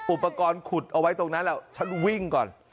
อุปกรณ์ขุดเอาไว้ตรงนั้นแหละฉันวิ่งก่อน